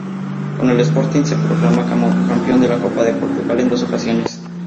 Con el Sporting se proclama campeón de la Copa de Portugal en dos ocasiones.